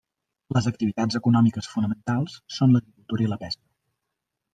Les activitats econòmiques fonamentals són l'agricultura i la pesca.